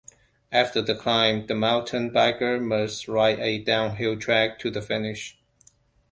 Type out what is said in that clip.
After the climb, the mountain biker must ride a downhill track to the finish.